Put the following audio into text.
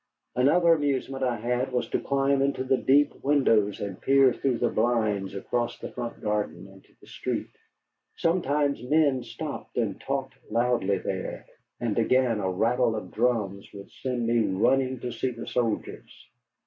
Another amusement I had was to climb into the deep windows and peer through the blinds across the front garden into the street. Sometimes men stopped and talked loudly there, and again a rattle of drums would send me running to see the soldiers.